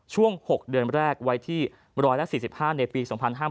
ช่วง๖เดือนแรกไว้ที่๑๔๕ในปี๒๕๕๙